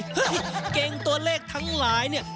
เฮ้ยเกร็งตัวเลขทั้งหลาย